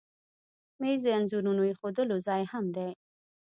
مېز د انځورونو ایښودلو ځای هم دی.